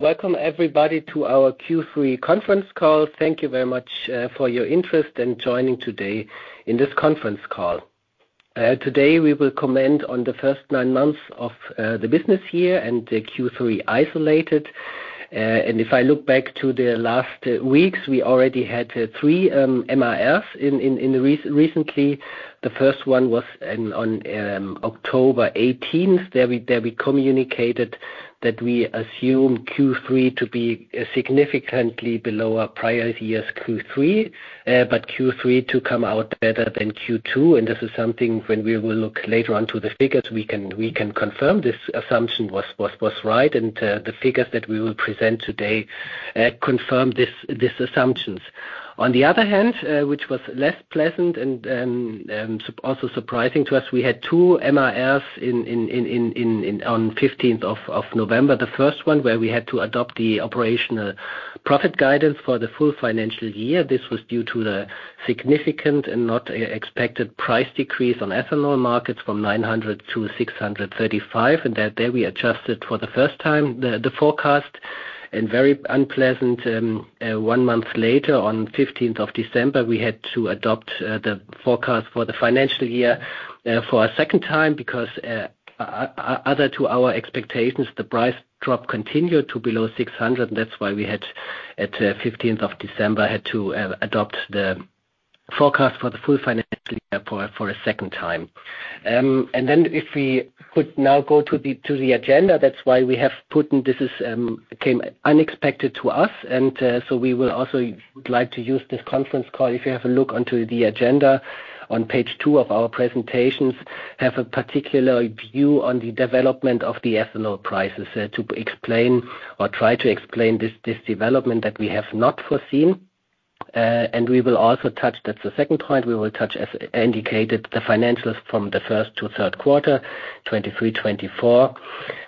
Welcome everybody to our Q3 Conference Call. Thank you very much for your interest in joining today in this conference call. Today, we will comment on the first nine months of the business year and the Q3 isolated. And if I look back to the last weeks, we already had three MARs in recently. The first one was on 18 October, there we communicated that we assume Q3 to be significantly below our prior year's Q3. But Q3 to come out better than Q2, and this is something when we will look later on to the figures, we can confirm this assumption was right. And the figures that we will present today confirm this assumptions. On the other hand, which was less pleasant and also surprising to us, we had two MARs on fifteenth of November. The first one, where we had to adopt the operational profit guidance for the full financial year. This was due to the significant and not expected price decrease on ethanol markets from 900 to 635, and that day we adjusted for the first time, the forecast. And very unpleasant, one month later, on fifteenth of December, we had to adopt the forecast for the financial year for a second time, because other to our expectations, the price drop continued to below 600, and that's why we had, at fifteenth of December, had to adopt the forecast for the full financial year for a second time. And then if we could now go to the, to the agenda, that's why we have put, and this is, came unexpected to us. So we will also would like to use this conference call, if you have a look onto the agenda on page two of our presentations, have a particular view on the development of the ethanol prices. To explain or try to explain this, this development that we have not foreseen. And we will also touch, that's the second point, we will touch, as indicated, the financials from the first to third quarter, 2023, 2024.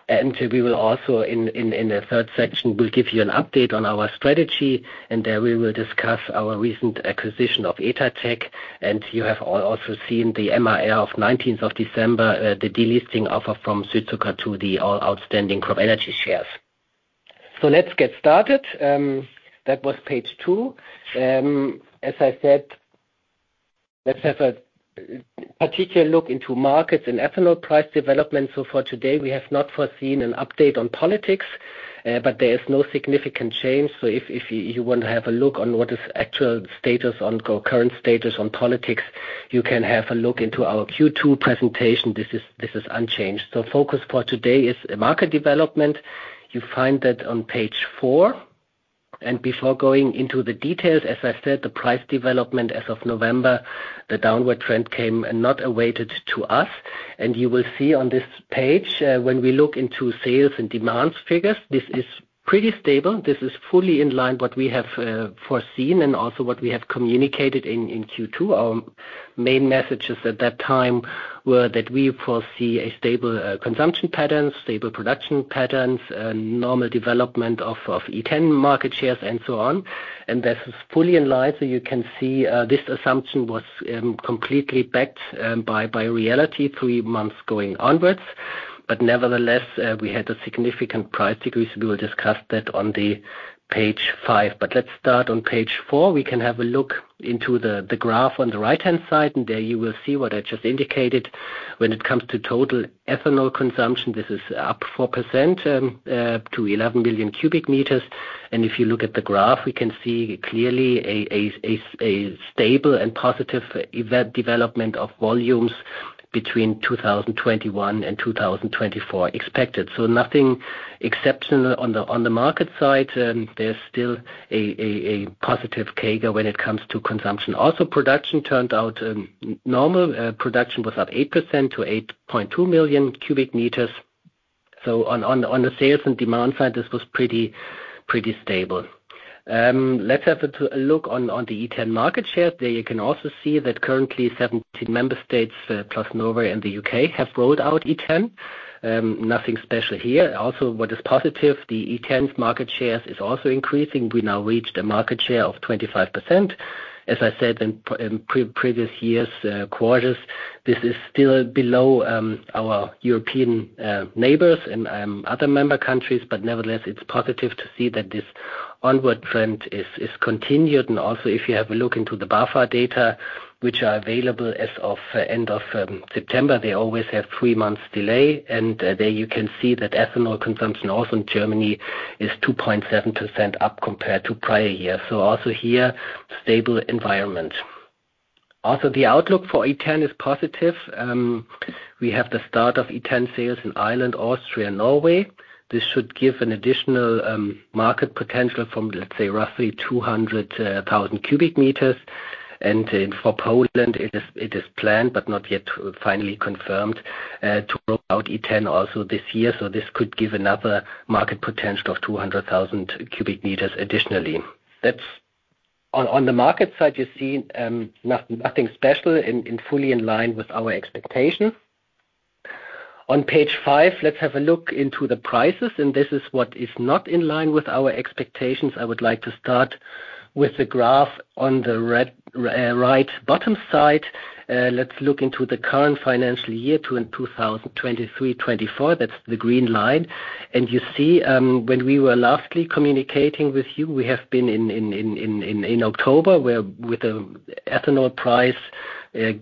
And we will also in the third section, we'll give you an update on our strategy, and there we will discuss our recent acquisition of EthaTec. You have also seen the MRF of 19th of December, the delisting offer from Südzucker to all outstanding CropEnergies shares. Let's get started. That was page two. As I said, let's have a particular look into markets and ethanol price development. For today, we have not foreseen an update on politics, but there is no significant change. If you want to have a look on what is actual status on, or current status on politics, you can have a look into our Q2 presentation. This is unchanged. Focus for today is market development. You find that on page four. Before going into the details, as I said, the price development as of November, the downward trend came and not awaited to us. You will see on this page, when we look into sales and demand figures, this is pretty stable. This is fully in line what we have foreseen and also what we have communicated in Q2. Our main messages at that time were that we foresee a stable consumption pattern, stable production patterns, and normal development of E10 market shares, and so on. This is fully in line. So you can see this assumption was completely backed by reality three months going onwards. But nevertheless, we had a significant price decrease. We will discuss that on the page five. Let's start on page four. We can have a look into the graph on the right-hand side, and there you will see what I just indicated. When it comes to total ethanol consumption, this is up 4% to 11 billion cubic meters. And if you look at the graph, we can see clearly a stable and positive event development of volumes between 2021 and 2024 expected. So nothing exceptional on the market side, and there's still a positive CAGR when it comes to consumption. Also, production turned out normal. Production was up 8% to 8.2 million cubic meters. So on the sales and demand side, this was pretty, pretty stable. Let's have a look on the E10 market share. There you can also see that currently 17 member states plus Norway and the UK have rolled out E10. Nothing special here. Also, what is positive, the E10's market share is also increasing. We now reached a market share of 25%. As I said, in previous years, quarters, this is still below our European neighbors and other member countries. But nevertheless, it's positive to see that this onward trend is continued. And also, if you have a look into the BAFA data, which are available as of end of September, they always have three months delay. And there you can see that ethanol consumption also in Germany is 2.7% up compared to prior years. So also here, stable environment. Also, the outlook for E10 is positive. We have the start of E10 sales in Ireland, Austria, and Norway. This should give an additional market potential from, let's say, roughly 200,000 cubic meters. And then for Poland, it is, it is planned, but not yet finally confirmed, to roll out E10 also this year. So this could give another market potential of 200,000 cubic meters additionally. That's. On the market side, you see, nothing special and fully in line with our expectations. On page five, let's have a look into the prices, and this is what is not in line with our expectations. I would like to start with the graph on the red, right bottom side, let's look into the current financial year 2023 to 2024. That's the green line. And you see, when we were lastly communicating with you, we have been in October, where with the ethanol price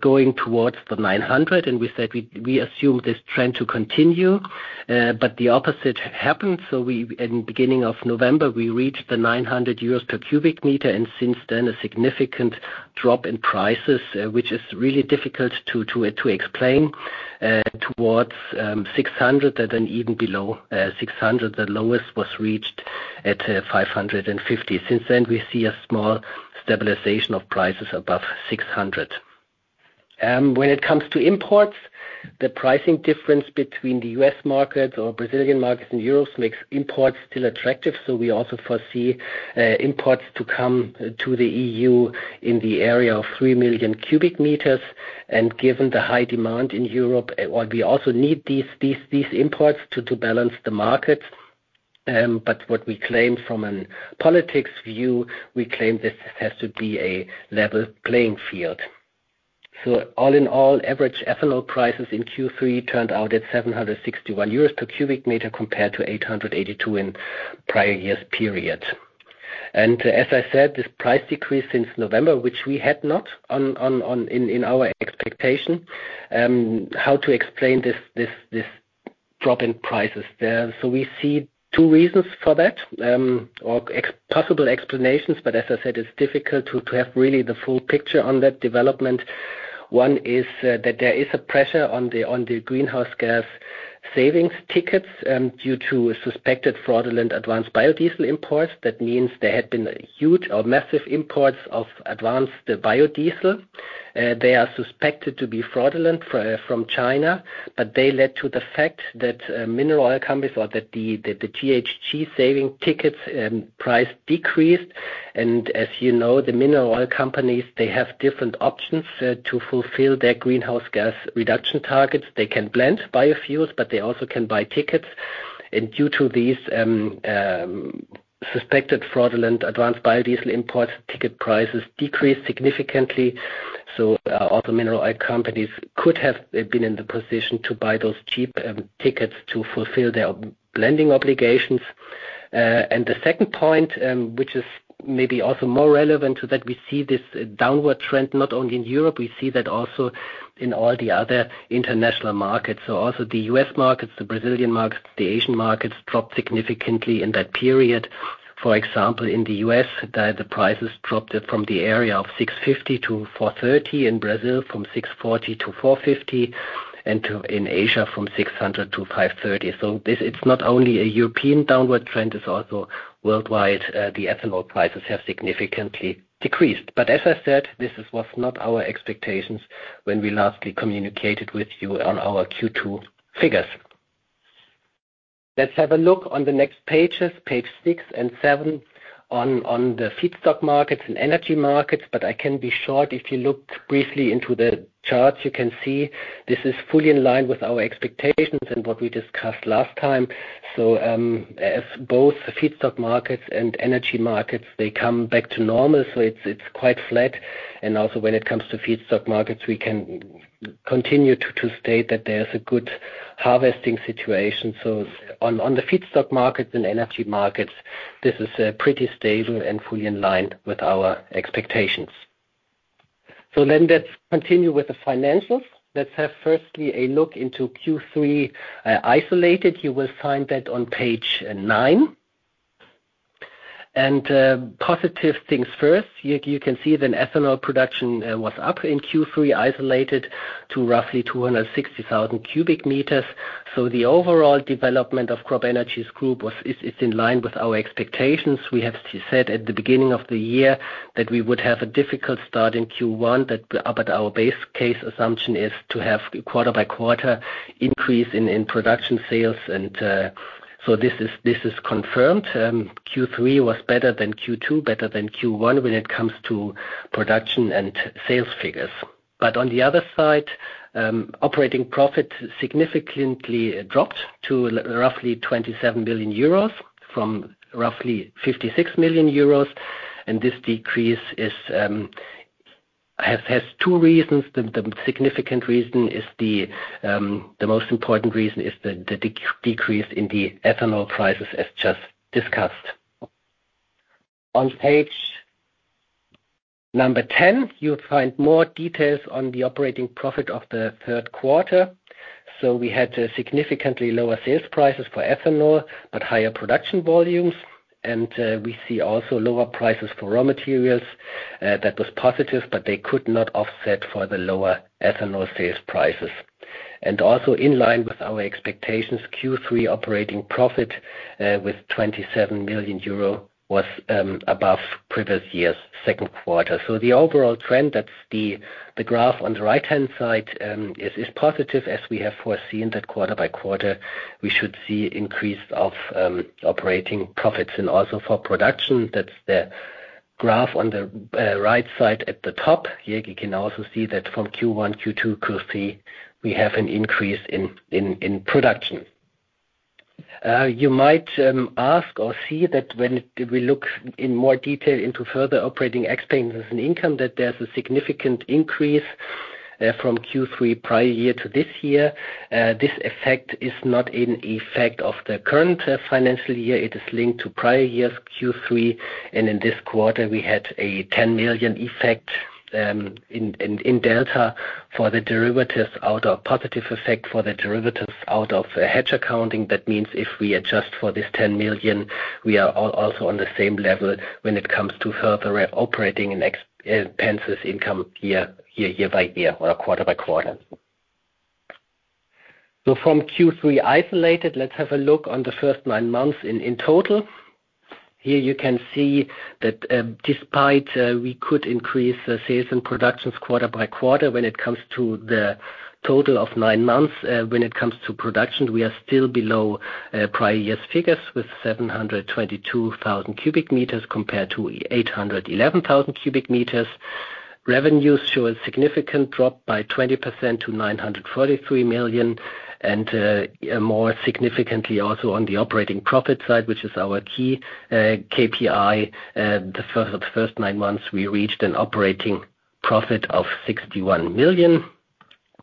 going towards 900, and we said we assume this trend to continue, but the opposite happened. So we in beginning of November, we reached 900 euros per cubic meter, and since then a significant drop in prices, which is really difficult to explain, towards 600 and then even below 600. The lowest was reached at 550. Since then, we see a small stabilization of prices above 600. When it comes to imports, the pricing difference between the U.S. market or Brazilian market and euros makes imports still attractive. So we also foresee imports to come to the EU in the area of three million cubic meters, and given the high demand in Europe, we also need these imports to balance the market. But what we claim from a politics view, we claim this has to be a level playing field. So all in all, average ethanol prices in Q3 turned out at 761 euros per cubic meter, compared to 882 in prior year's period. And as I said, this price decreased since November, which we had not in our expectation. How to explain this drop in prices there? So we see two reasons for that, or possible explanations, but as I said, it's difficult to have really the full picture on that development. One is that there is a pressure on the greenhouse gas savings tickets due to suspected fraudulent advanced biodiesel imports. That means there had been huge or massive imports of advanced biodiesel. They are suspected to be fraudulent from China, but they led to the fact that mineral oil companies, or that the GHG savings tickets price decreased. And as you know, the mineral oil companies they have different options to fulfill their greenhouse gas reduction targets. They can blend biofuels, but they also can buy tickets. And due to these suspected fraudulent advanced biodiesel imports, ticket prices decreased significantly. So other mineral oil companies could have been in the position to buy those cheap tickets to fulfill their blending obligations. And the second point, which is maybe also more relevant, so that we see this downward trend not only in Europe, we see that also in all the other international markets. So also the U.S. markets, the Brazilian markets, the Asian markets dropped significantly in that period. For example, in the U.S., the prices dropped from the area of 650 to 430, in Brazil, from 640 to 450, and in Asia, from 600 to 530. So this is not only a European downward trend, it's also worldwide, the ethanol prices have significantly decreased. But as I said, this was not our expectations when we lastly communicated with you on our Q2 figures. Let's have a look on the next pages, pages six and seven, on the feedstock markets and energy markets. But I can be short. If you look briefly into the charts, you can see this is fully in line with our expectations and what we discussed last time. So, as both the feedstock markets and energy markets, they come back to normal, so it's, it's quite flat. And also, when it comes to feedstock markets, we can continue to, to state that there's a good harvesting situation. So on, on the feedstock markets and energy markets, this is, pretty stable and fully in line with our expectations. So then let's continue with the financials. Let's have, firstly, a look into Q3, isolated. You will find that on page nine. And, positive things first. You, you can see that ethanol production, was up in Q3, isolated to roughly 260,000 cubic meters. So the overall development of Crop Energies Group is in line with our expectations. We have said at the beginning of the year that we would have a difficult start in Q1, but our base case assumption is to have quarter by quarter increase in production sales. And so this is confirmed. Q3 was better than Q2, better than Q1 when it comes to production and sales figures. But on the other side, operating profit significantly dropped to roughly 27 million euros from roughly 56 million euros. And this decrease has two reasons. The significant reason is the most important reason is the decrease in the ethanol prices, as just discussed. On page 10, you'll find more details on the operating profit of the third quarter. So we had significantly lower sales prices for ethanol, but higher production volumes. We see also lower prices for raw materials. That was positive, but they could not offset for the lower ethanol sales prices. Also in line with our expectations, Q3 operating profit with 27 million euro was above previous year's second quarter. So the overall trend, that's the graph on the right-hand side, is positive. As we have foreseen that quarter by quarter, we should see increase of operating profits and also for production. That's the graph on the right side at the top. Here, you can also see that from Q1, Q2, Q3, we have an increase in production. You might ask or see that when we look in more detail into further operating expenses and income, that there's a significant increase from Q3 prior year to this year. This effect is not an effect of the current financial year. It is linked to prior years Q3, and in this quarter, we had a 10 million effect in delta for the derivatives out of positive effect for the derivatives out of hedge accounting. That means if we adjust for this 10 million, we are also on the same level when it comes to further operating expenses income year by year or quarter by quarter. So from Q3 isolated, let's have a look on the first nine months in total. Here you can see that, despite we could increase the sales and productions quarter by quarter, when it comes to the total of nine months, when it comes to production, we are still below prior years figures with 722,000 cubic meters compared to 811,000 cubic meters. Revenues show a significant drop by 20% to 943 million, and, more significantly also on the operating profit side, which is our key KPI. The first nine months, we reached an operating profit of 61 million.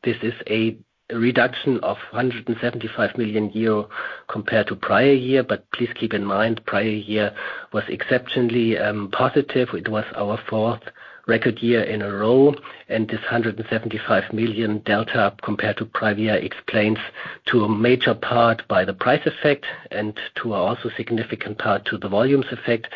This is a reduction of 175 million euro compared to prior year, but please keep in mind, prior year was exceptionally positive. It was our fourth record year in a row, and this 175 million delta, compared to prior year, explains to a major part by the price effect and to also significant part to the volumes effect.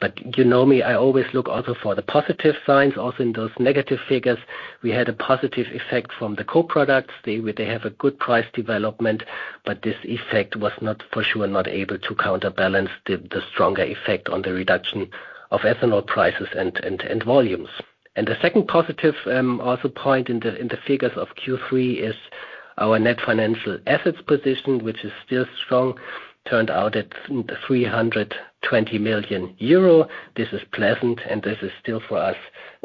But you know me, I always look also for the positive signs. Also, in those negative figures, we had a positive effect from the co-products. They have a good price development, but this effect was not for sure, not able to counterbalance the stronger effect on the reduction of ethanol prices and volumes. And the second positive point in the figures of Q3 is our net financial assets position, which is still strong, turned out at 320 million euro. This is pleasant, and this is still, for us,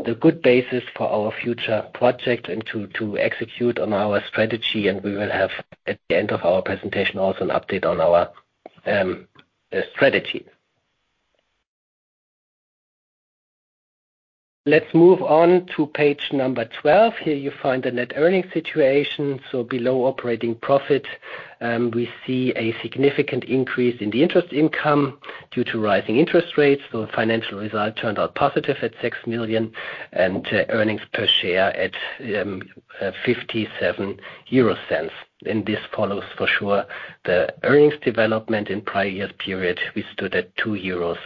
a good basis for our future projects and to execute on our strategy. And we will have, at the end of our presentation, also an update on our strategy. Let's move on to page 12. Here you find the net earnings situation. So below operating profit, we see a significant increase in the interest income due to rising interest rates. So financial results turned out positive at 6 million and earnings per share at 0.57. And this follows for sure the earnings development in prior years period, we stood at 2.07 euros.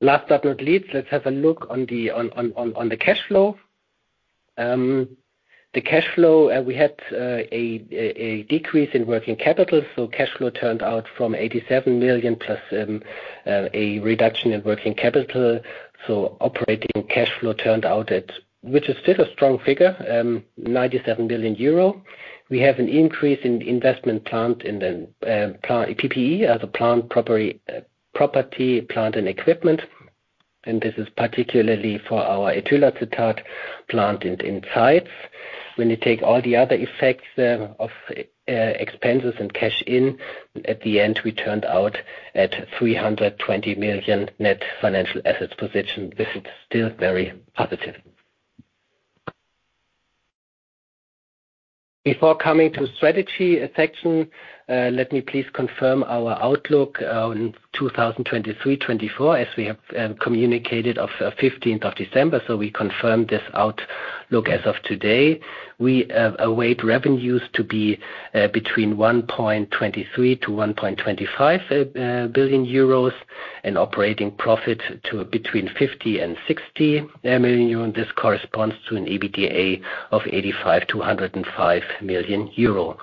Last but not least, let's have a look on the cash flow. The cash flow, we had a decrease in working capital, so cash flow turned out from 87 million plus a reduction in working capital. So operating cash flow turned out at EUR 97 million, which is still a strong figure. We have an increase in investment in the plant PPE as property, plant, and equipment, and this is particularly for our ethyl acetate plant in Elsteraue. When you take all the other effects of expenses and cash in, at the end, we turned out at 320 million net financial assets position. This is still very positive. Before coming to strategy section, let me please confirm our outlook in 2023 to 2024, as we have communicated of 15 December. So we confirm this outlook as of today. We await revenues to be between 1.23 billion to 1.25 billion euros and operating profit to between 50 million and 60 million euros. This corresponds to an EBITDA of 85 million euro to 105 million euro.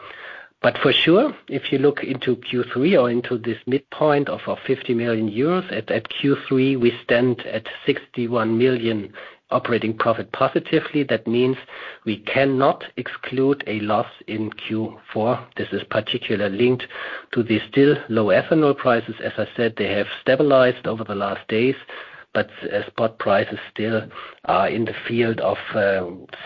But for sure, if you look into Q3 or into this midpoint of 50 million euros, at Q3, we stand at 61 million operating profit positively. That means we cannot exclude a loss in Q4. This is particularly linked to the still low ethanol prices. As I said, they have stabilized over the last days, but spot prices still are in the field of,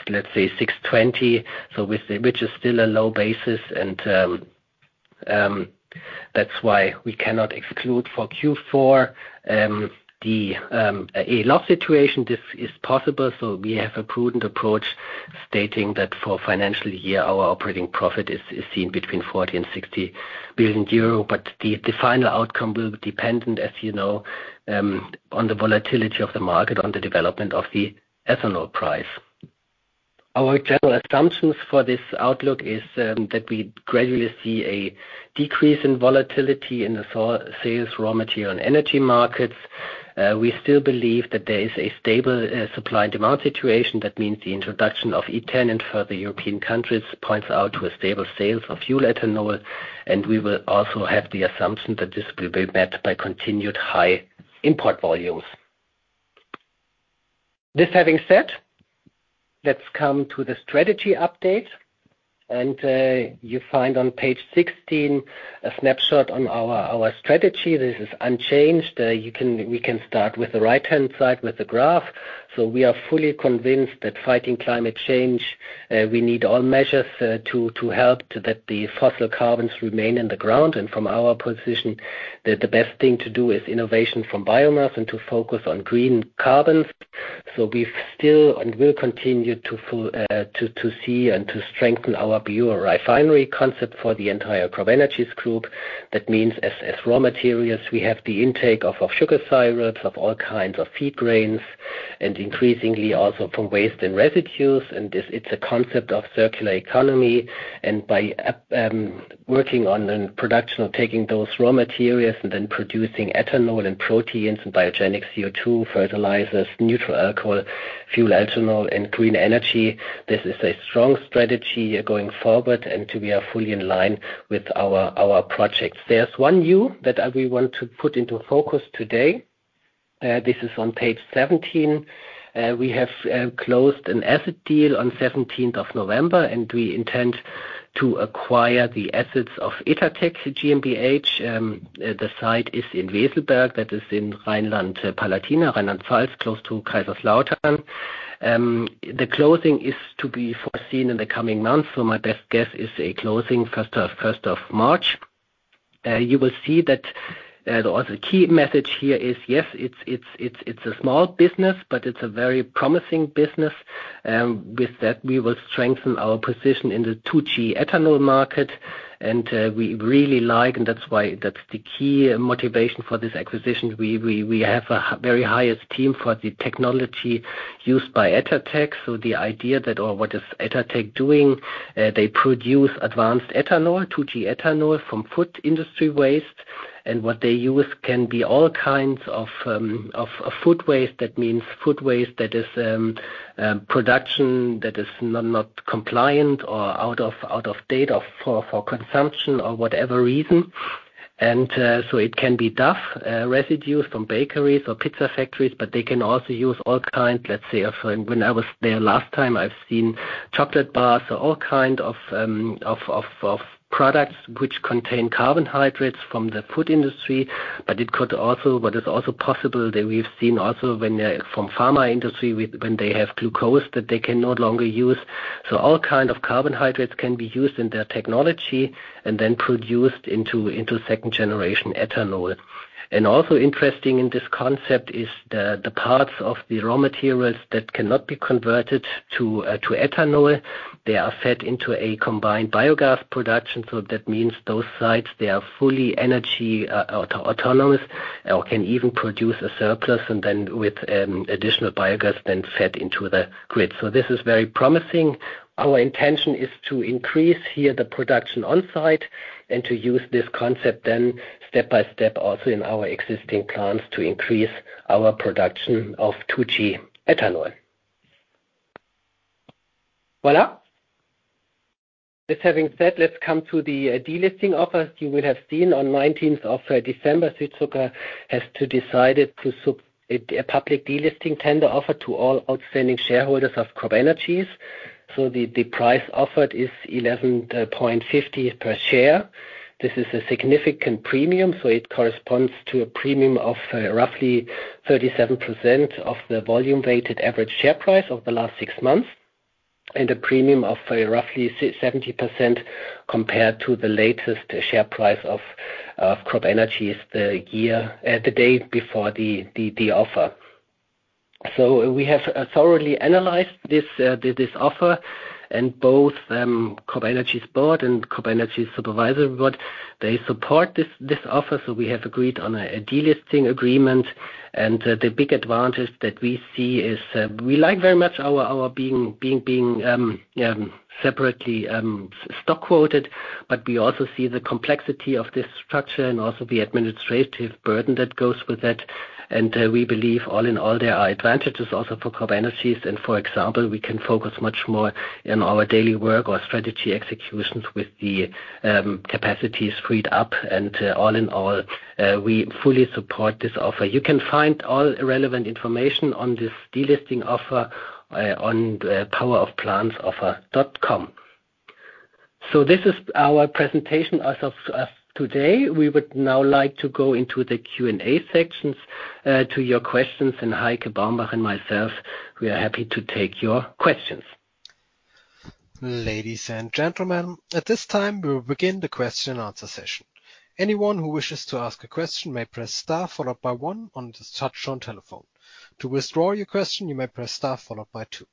let's say, 620. So with the which is still a low basis, and that's why we cannot exclude for Q4, the a loss situation. This is possible, so we have a prudent approach, stating that for financial year, our operating profit is seen between 40 million to 60 million euro. But the final outcome will be dependent, as you know, on the volatility of the market, on the development of the ethanol price. Our general assumptions for this outlook is that we gradually see a decrease in volatility in the sales, raw material, and energy markets. We still believe that there is a stable supply and demand situation. That means the introduction of E10 in further European countries points out to a stable sales of fuel ethanol, and we will also have the assumption that this will be met by continued high import volumes. This having said, let's come to the strategy update, and you find on page 16 a snapshot on our strategy. This is unchanged. We can start with the right-hand side, with the graph. So we are fully convinced that fighting climate change, we need all measures to help to that the fossil carbons remain in the ground. And from our position, the best thing to do is innovation from biomass and to focus on green carbons. So we still and will continue to fully see and to strengthen our biorefinery concept for the entire CropEnergies group. That means as raw materials, we have the intake of sugar syrups, of all kinds of feed grains, and increasingly also from waste and residues. And this, it's a concept of circular economy, and by up working on the production of taking those raw materials and then producing ethanol and proteins and biogenic CO2 fertilizers, neutral alcohol, fuel ethanol, and green energy. This is a strong strategy going forward, and we are fully in line with our, our projects. There's one new that we want to put into focus today. This is on page 17. We have closed an asset deal on seventeenth of November, and we intend to acquire the assets of EthaTec GmbH. The site is in Weselberg, that is in Rhineland-Palatinate, Rheinland-Pfalz, close to Kaiserslautern. The closing is to be foreseen in the coming months. So my best guess is a closing first of, 1 March. You will see that the key message here is: yes, it's a small business, but it's a very promising business. With that, we will strengthen our position in the 2G ethanol market, and we really like, and that's why that's the key motivation for this acquisition. We have a very highest team for the technology used by EthaTec. So the idea that, or what is EthaTec doing? They produce advanced ethanol, 2G ethanol, from food industry waste. And what they use can be all kinds of food waste. That means food waste that is production that is not compliant or out of date for consumption or whatever reason. So it can be dough residues from bakeries or pizza factories, but they can also use all kinds. Let's say, when I was there last time, I've seen chocolate bars, so all kind of products which contain carbohydrates from the food industry. But it could also what is also possible, that we've seen also from pharma industry, when they have glucose that they can no longer use. So all kind of carbohydrates can be used in their technology and then produced into second generation ethanol. And also interesting in this concept is the parts of the raw materials that cannot be converted to ethanol. They are fed into a combined biogas production, so that means those sites, they are fully energy autonomous, or can even produce a surplus, and then with additional biogas then fed into the grid. So this is very promising. Our intention is to increase here the production on site and to use this concept then step by step, also in our existing plants, to increase our production of 2G ethanol. Voilà! This having said, let's come to the delisting offer. You will have seen on nineteenth of December, Südzucker has today decided to submit a public delisting tender offer to all outstanding shareholders of CropEnergies. So the price offered is 11.50 per share. This is a significant premium, so it corresponds to a premium of roughly 37% of the volume-weighted average share price over the last six months, and a premium of roughly seventy percent compared to the latest share price of CropEnergies the day before the offer. So we have thoroughly analyzed this offer, and both CropEnergies board and CropEnergies supervisory board, they support this offer. So we have agreed on a delisting agreement, and the big advantage that we see is we like very much our being separately stock quoted. But we also see the complexity of this structure and also the administrative burden that goes with that. We believe all in all, there are advantages also for CropEnergies. For example, we can focus much more in our daily work or strategy executions with the capacities freed up. All in all, we fully support this offer. You can find all relevant information on this delisting offer on powerofplants-offer.com. This is our presentation as of today. We would now like to go into the Q&A sections to your questions, and Heike Baumbach and myself, we are happy to take your questions. Ladies and gentlemen, at this time, we will begin the question and answer session. Anyone who wishes to ask a question may press star followed by one on the touch-tone telephone. To withdraw your question, you may press star followed by two.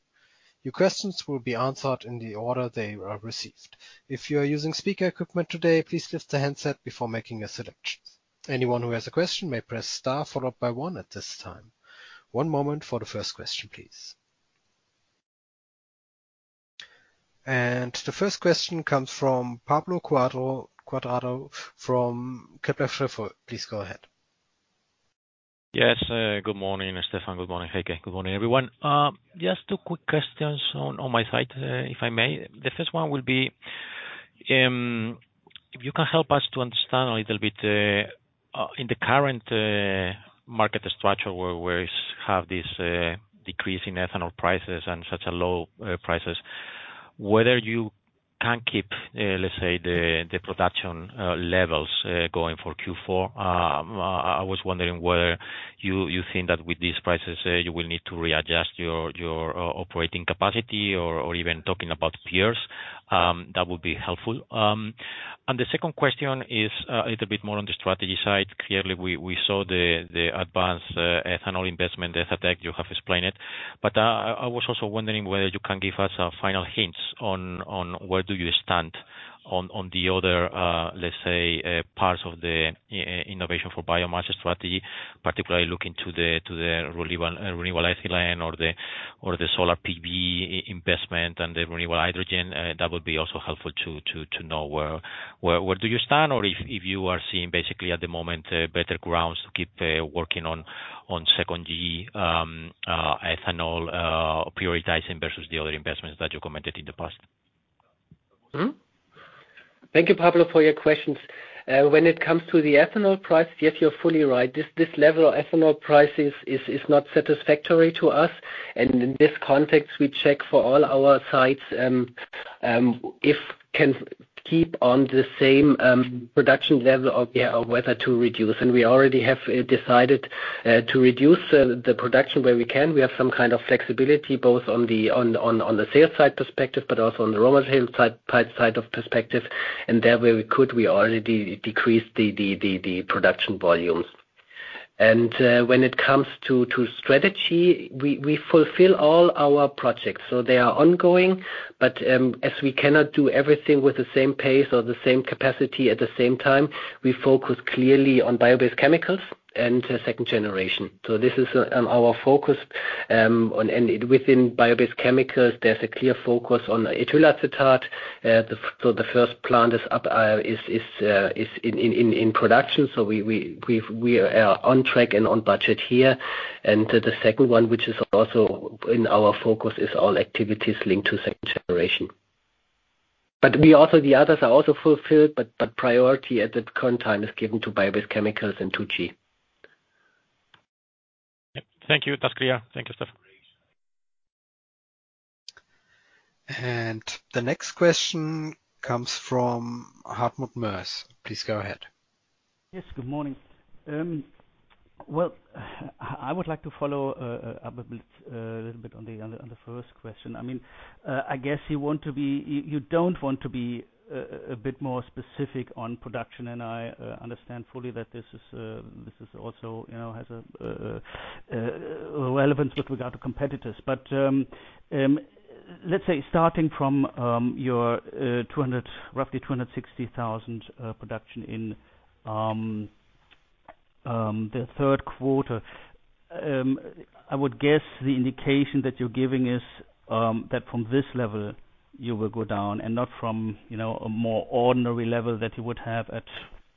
Your questions will be answered in the order they are received. If you are using speaker equipment today, please lift the handset before making a selection. Anyone who has a question may press star followed by one at this time. One moment for the first question, please. The first question comes from Pablo Cuadrado from Kepler Cheuvreux. Please go ahead. Yes, good morning, Stephan. Good morning, Heike. Good morning, everyone. Just two quick questions on, on my side, if I may. The first one will be If you can help us to understand a little bit in the current market structure, where this decrease in ethanol prices and such low prices, whether you can keep, let's say, the production levels going for Q4. I was wondering whether you think that with these prices, you will need to readjust your operating capacity or even talking about peers, that would be helpful. And the second question is, a little bit more on the strategy side. Clearly, we saw the advanced ethanol investment, as I think you have explained it. But, I was also wondering whether you can give us final hints on where you stand on the other, let's say, parts of the innovation for biomass strategy, particularly looking to the renewable ethylene or the solar PV investment and the renewable hydrogen. That would be also helpful to know where you stand, or if you are seeing basically at the moment better grounds to keep working on second gen ethanol, prioritizing versus the other investments that you commented in the past? Thank you, Pablo, for your questions. When it comes to the ethanol price, yes, you're fully right. This level of ethanol prices is not satisfactory to us, and in this context, we check for all our sites if can keep on the same production level or whether to reduce. We already have decided to reduce the production where we can. We have some kind of flexibility, both on the sales side perspective, but also on the raw material side perspective, and there, where we could, we already decreased the production volumes. When it comes to strategy, we fulfill all our projects, so they are ongoing, but as we cannot do everything with the same pace or the same capacity at the same time, we focus clearly on bio-based chemicals and second generation. So this is our focus onAand within bio-based chemicals, there's a clear focus on ethyl acetate. So the first plant is up, is in production, so we are on track and on budget here. And the second one, which is also in our focus, is all activities linked to second generation. But we also, the others are also fulfilled, but priority at the current time is given to bio-based chemicals and 2G. Thank you. That's clear. Thank you, Stephan. The next question comes from Hartmut Moers. Please go ahead. Yes, good morning. Well, I would like to follow up a bit, a little bit on the first question. I mean, I guess you want to be you don't want to be a bit more specific on production, and I understand fully that this is also, you know, has a relevance with regard to competitors. But, let's say, starting from your 200, roughly 260,000 production in the third quarter, I would guess the indication that you're giving is that from this level, you will go down and not from, you know, a more ordinary level that you would have at,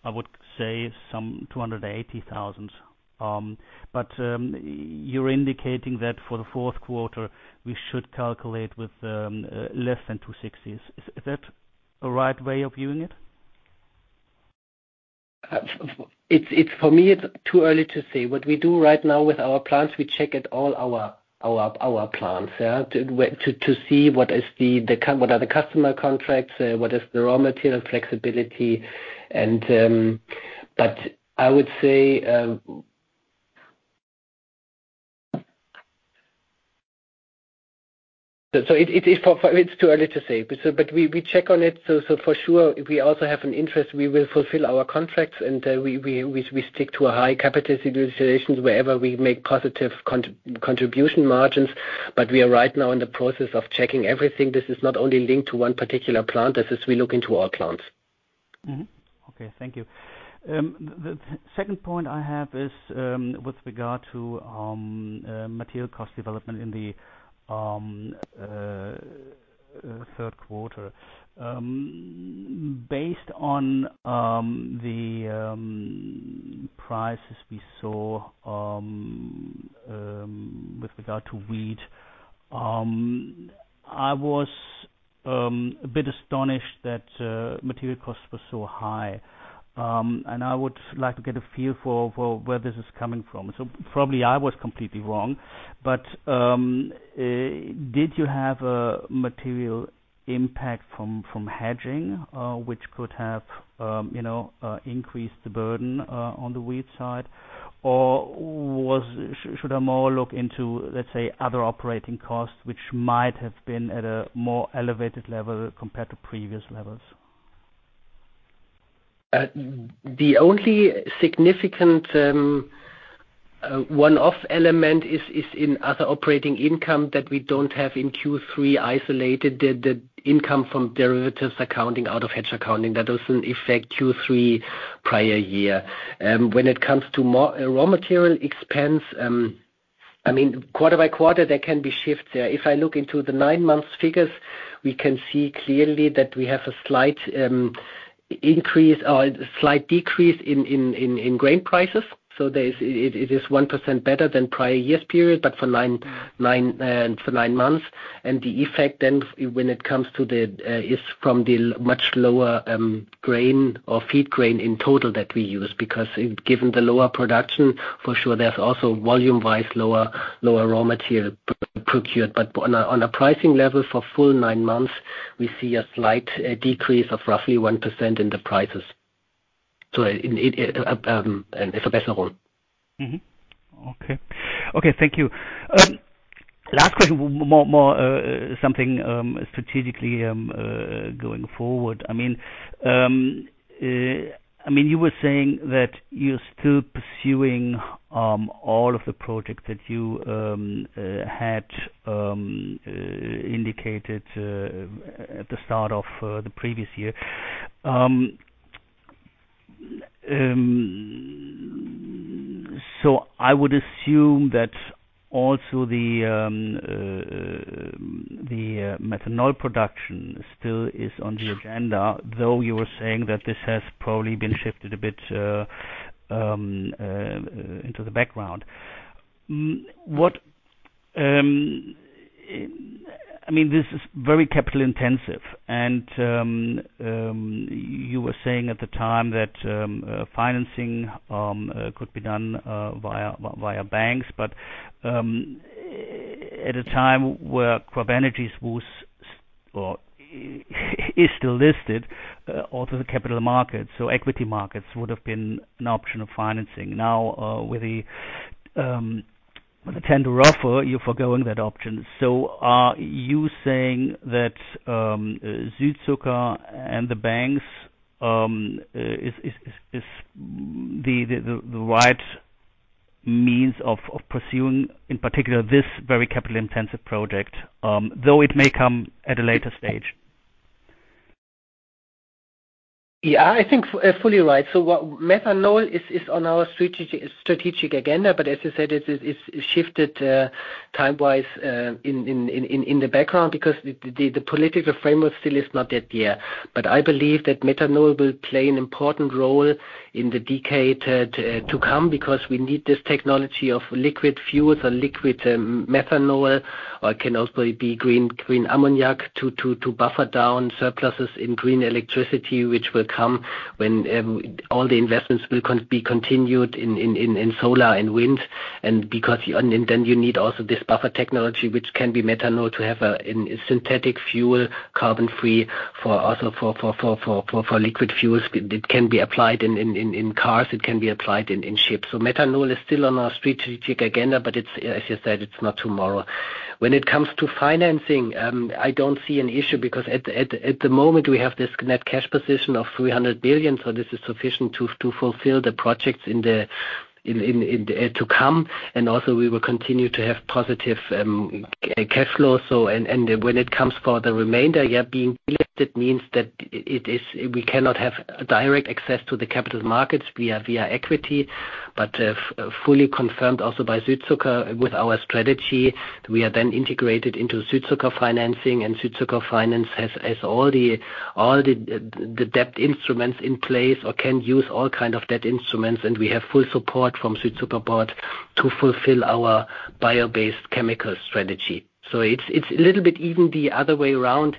I would say, some 280,000. But, you're indicating that for the fourth quarter, we should calculate with less than 260. Is that a right way of viewing it? For me, it's too early to say. What we do right now with our plants, we check at all our plants, yeah, to see what are the customer contracts, what is the raw material flexibility, and but I would say. So, it is too early to say. But we check on it, so for sure, we also have an interest. We will fulfill our contracts, and we stick to a high capitalization wherever we make positive contribution margins. But we are right now in the process of checking everything. This is not only linked to one particular plant. This is we look into all plants. Okay, thank you. The second point I have is with regard to material cost development in the third quarter. Based on the prices we saw with regard to wheat, I was a bit astonished that material costs were so high. And I would like to get a feel for where this is coming from. So probably I was completely wrong, but did you have a material impact from hedging, which could have, you know, increased the burden on the wheat side? Or should I more look into, let's say, other operating costs, which might have been at a more elevated level compared to previous levels? The only significant one-off element is in other operating income that we don't have in Q3 isolated, the income from derivatives accounting out of hedge accounting. That also affect Q3 prior year. When it comes to more raw material expense, I mean, quarter by quarter, there can be shifts there. If I look into the nine-month figures, we can see clearly that we have a slight increase or slight decrease in grain prices. So it is 1% better than prior year's period, but for nine months. And the effect then, when it comes to the is from the much lower grain or feed grain in total that we use, because given the lower production, for sure, there's also volume-wise, lower raw material procured. But on a pricing level for full nine months, we see a slight decrease of roughly 1% in the prices. So it's a better role. Okay. Okay, thank you. Last question, more something strategically going forward. I mean, you were saying that you're still pursuing all of the projects that you had indicated at the start of the previous year. So I would assume that also the methanol production still is on the agenda, though you were saying that this has probably been shifted a bit into the background. I mean, this is very capital intensive, and you were saying at the time that financing could be done via banks. But at a time where CropEnergies was, or is still listed, also the capital markets, so equity markets would have been an option of financing. Now, with the tender offer, you're foregoing that option. So are you saying that Südzucker and the banks is the right means of pursuing, in particular, this very capital-intensive project, though it may come at a later stage? Yeah, I think fully right. So what methanol is is on our strategic agenda, but as you said, it's shifted time-wise in the background, because the political framework still is not yet there. But I believe that methanol will play an important role in the decade to come, because we need this technology of liquid fuels or liquid methanol, or it can also be green ammonia, to buffer down surpluses in green electricity, which will come when all the investments will be continued in solar and wind. And because then you need also this buffer technology, which can be methanol, to have a synthetic fuel, carbon-free, for liquid fuels. It can be applied in cars, it can be applied in ships. So methanol is still on our strategic agenda, but it's, as you said, it's not tomorrow. When it comes to financing, I don't see an issue because at the moment, we have this net cash position of 300 billion, so this is sufficient to fulfill the projects in the to come. And also, we will continue to have positive cash flow. And when it comes for the remainder, yeah, being delisted means that it is we cannot have direct access to the capital markets via equity, but fully confirmed also by Südzucker with our strategy, we are then integrated into Südzucker financing, and Südzucker Finance has all the debt instruments in place or can use all kind of debt instruments, and we have full support from Südzucker part to fulfill our bio-based chemical strategy. So it's a little bit even the other way around,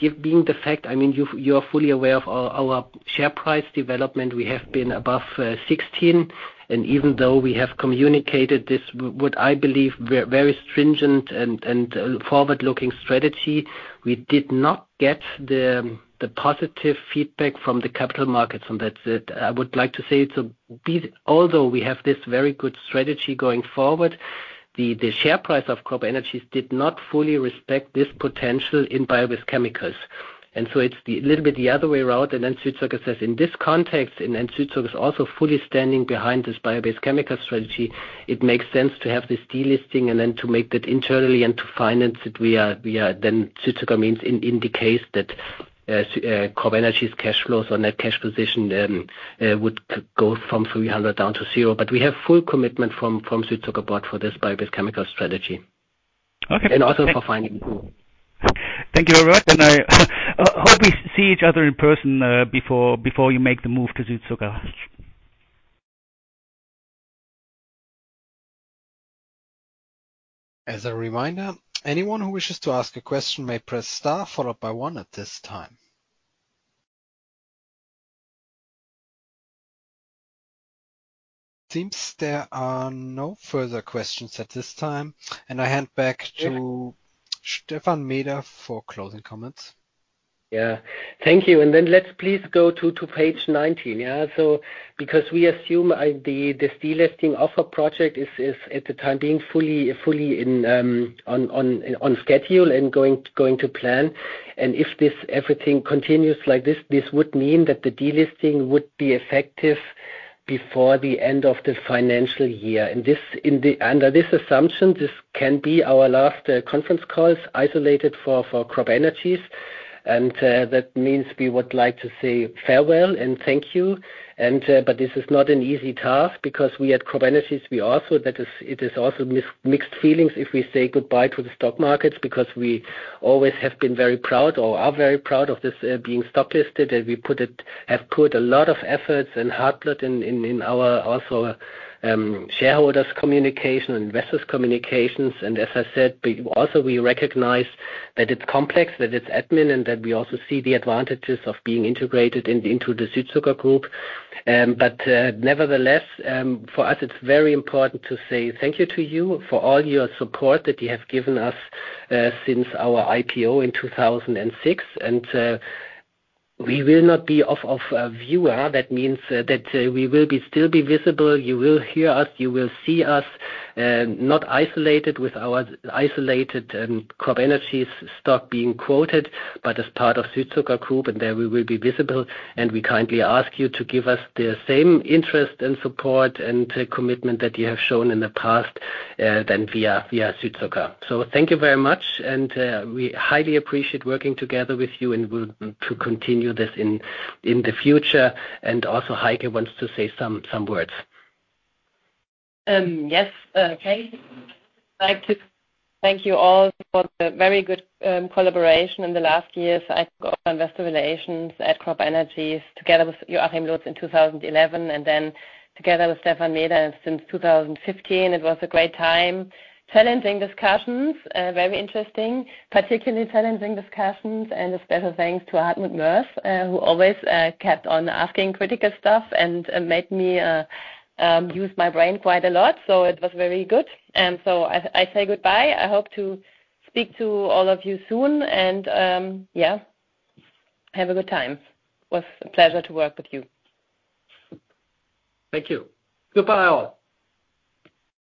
given the fact, I mean, you are fully aware of our share price development. We have been above 16, and even though we have communicated this, what I believe very stringent and forward-looking strategy, we did not get the positive feedback from the capital markets. And that's it. I would like to say, so although we have this very good strategy going forward, the share price of CropEnergies did not fully respect this potential in bio-based chemicals. And so it's a little bit the other way around, and then Südzucker says in this context, and then Südzucker is also fully standing behind this bio-based chemical strategy. It makes sense to have this delisting and then to make that internally and to finance it. We are then Südzucker indicates that CropEnergies cash flows or net cash position would go from 300 million down to zero. But we have full commitment from Südzucker part for this bio-based chemical strategy. Okay. Also for finding, too. Thank you very much, and I hope we see each other in person before you make the move to Südzucker. As a reminder, anyone who wishes to ask a question may press star followed by one at this time. Seems there are no further questions at this time, and I hand back to Stephan Meeder for closing comments. Yeah. Thank you, and then let's please go to page 19. Yeah, so because we assume the delisting offer project is at the time being fully in on schedule and going to plan. And if everything continues like this, this would mean that the delisting would be effective before the end of the financial year. And this, under this assumption, this can be our last conference call, isolated for CropEnergies. And that means we would like to say farewell and thank you, but this is not an easy task because we at CropEnergies, we also, that is, it is also mixed feelings if we say goodbye to the stock markets, because we always have been very proud or are very proud of this being stock listed. And we have put a lot of efforts and heartblood in our also shareholders communication, investors communications. And as I said, we also recognize that it's complex, that it's admin, and that we also see the advantages of being integrated into the Südzucker Group. But nevertheless, for us, it's very important to say thank you to you for all your support that you have given us since our IPO in 2006. And we will not be off viewer. That means that we will still be visible. You will hear us, you will see us, not isolated with our isolated CropEnergies stock being quoted, but as part of Südzucker Group, and there we will be visible. We kindly ask you to give us the same interest and support and commitment that you have shown in the past via Südzucker. So thank you very much, and we highly appreciate working together with you, and we're to continue this in the future. Also, Heike wants to say some words. Yes, okay. I'd like to thank you all for the very good collaboration in the last years. I, Investor Relations at CropEnergies, together with Joachim Lutz in 2011, and then together with Stephan Meeder since 2015. It was a great time. Challenging discussions, very interesting, particularly challenging discussions, and a special thanks to Hartmut Moers, who always kept on asking critical stuff and made me use my brain quite a lot. So it was very good. So I say goodbye. I hope to speak to all of you soon, and yeah, have a good time. It was a pleasure to work with you. Thank you. Goodbye, all.